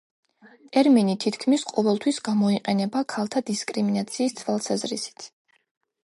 ტერმინი თითქმის ყოველთვის გამოიყენება ქალთა დისკრიმინაციის თვალსაზრისით.